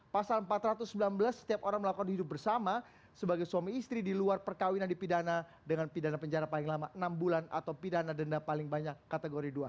pasal empat ratus sembilan belas setiap orang melakukan hidup bersama sebagai suami istri di luar perkawinan dipidana dengan pidana penjara paling lama enam bulan atau pidana denda paling banyak kategori dua